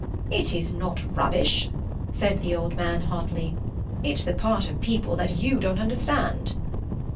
"It is not rubbish!" said the old man hotly. "It's the part of people that you don't understand."